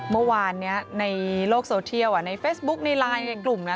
เมื่อวานนี้ในโลกโซเทียลในเฟซบุ๊กในไลน์ในกลุ่มนะ